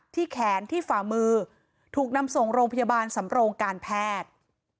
แขนที่ฝ่ามือถูกนำส่งโรงพยาบาลสำโรงการแพทย์